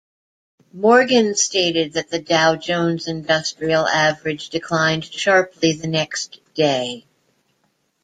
Morgan stated that the Dow Jones Industrial Average declined sharply the next day.